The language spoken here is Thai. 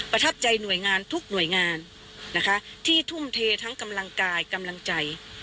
ประทับใจหน่วยงานทุกหน่วยงานนะคะที่ทุ่มเททั้งกำลังกายกำลังใจ